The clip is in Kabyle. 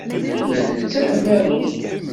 Ula d netta d amaru.